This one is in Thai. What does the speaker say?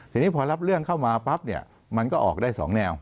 ทีนี้พอรับเรื่องเข้ามาปั๊บเนี่ยมันก็ออกได้๒แนว